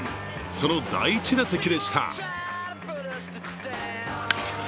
その第１打席でした。